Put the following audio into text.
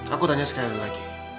aku tanya sekali lagi